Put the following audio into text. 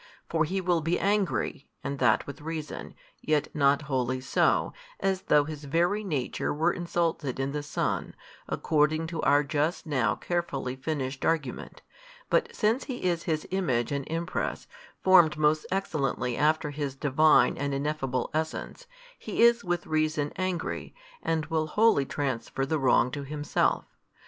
For He will be angry, and that with reason, yet not wholly so, as though His Very Nature were insulted in the Son, according to our just now carefully finished argument, but since He is His Image and Impress, formed most excellently after His Divine and Ineffable Essence, He is with reason angry, and will wholly transfer the wrong to Himself.